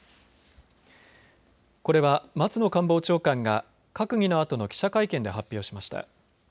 これは松野官房長官が閣議のあとの記者会見で発表しました。